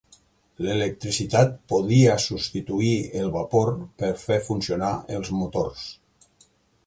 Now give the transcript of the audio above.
L'electricitat podia substituir el vapor per fer funcionar els motors.